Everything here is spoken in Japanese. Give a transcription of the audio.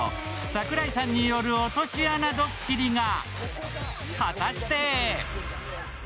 櫻井さんによる落とし穴ドッキリが。